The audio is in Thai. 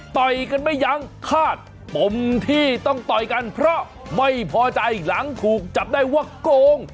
ต่อยกันไม่ยั้งคาดปมที่ต้องต่อยกันเพราะไม่พอใจหลังถูกจับได้ว่าโกง